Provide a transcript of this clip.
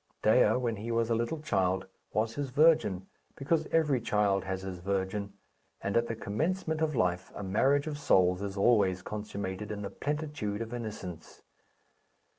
Dea, when he was a little child, was his virgin; because every child has his virgin, and at the commencement of life a marriage of souls is always consummated in the plenitude of innocence.